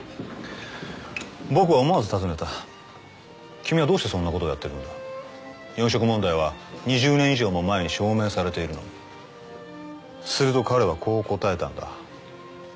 僕は思わず尋ねた君はどうしてそんなことをやってるんだ４色問題は２０年以上も前に証明されているのにすると彼はこう答えたんだ